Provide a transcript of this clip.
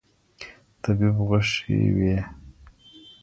طبیب غوښي وې